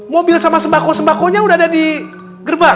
mobil sama sembako sembakonya udah ada di gerbang